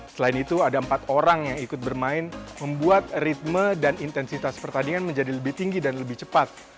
selain itu ada empat orang yang ikut bermain membuat ritme dan intensitas pertandingan menjadi lebih tinggi dan lebih cepat